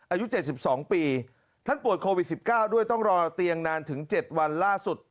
อายุ๗๒ปีท่านป่วยโควิด๑๙ด้วยต้องรอเตียงนานถึง๗วันล่าสุด